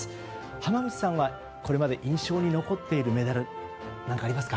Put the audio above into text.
浜口さんはこれまで印象に残っているメダルありますか？